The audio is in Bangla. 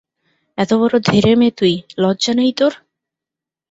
এতবড় ধেড়ে মেয়ে তুই, লজ্জা নেই তোর?